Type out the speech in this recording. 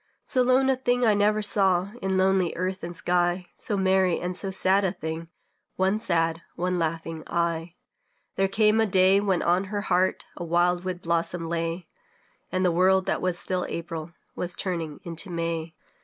So lone a thing I never saw In lonely earth and sky; So merry and so sad a thing One sad, one laughing, eye. There came a day when on her heart A wild wood blossom lay, And the world that still was April Was turning into May.